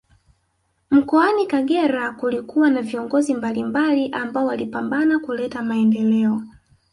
Mkoani kagera kulikuwa na viongozi mbalimbali ambao walipambana kuleta maendeleo